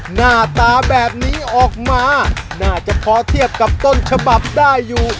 หน้าตาแบบนี้ออกมาน่าจะพอเทียบกับต้นฉบับได้อยู่